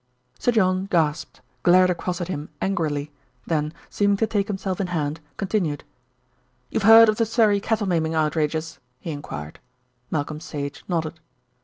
Sir John gasped, glared across at him angrily; then, seeming to take himself in hand, continued: "You've heard of the Surrey cattle maiming outrages?" he enquired. Malcolm Sage nodded.